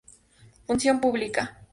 Función pública